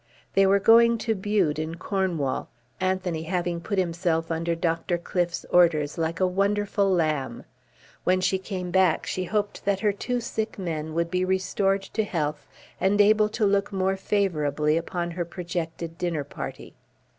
They were going to Bude in Cornwall, Anthony having put himself under Dr. Cliffe's orders like a wonderful lamb. When she came back, she hoped that her two sick men would be restored to health and able to look more favourably upon her projected dinner party.